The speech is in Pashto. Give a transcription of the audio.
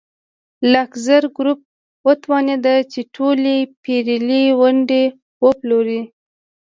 لاکزر ګروپ وتوانېد چې ټولې پېرلې ونډې وپلوري.